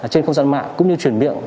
trên không gian mạng cũng như chuyển miệng